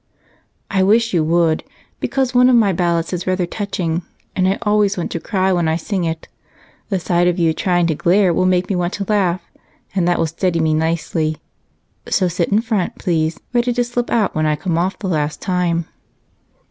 "I wish you would, because one of my ballads is rather touching and I always want to cry when I sing it. The sight of you trying to glare will make me want to laugh and that will steady me nicely, so sit in front, please, ready to slip out when I come off the last time."